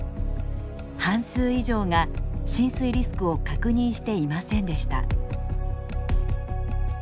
半数以上が浸水リスクを確認していませんでした。